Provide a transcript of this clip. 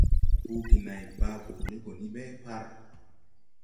Buugi nãy baa boole go ni ɓe par.